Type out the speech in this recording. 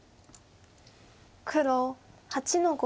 黒８の五。